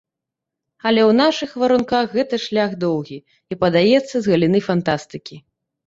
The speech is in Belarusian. Але ў нашых варунках гэта шлях доўгі, і, падаецца, з галіны фантастыкі.